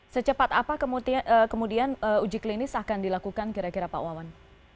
secepat apa kemudian uji klinis akan dilakukan kira kira pak wawan